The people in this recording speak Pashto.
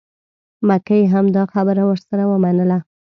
مکۍ هم دا خبره ورسره ومنله.